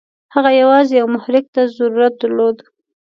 هغه یوازې یوه محرک ته ضرورت درلود.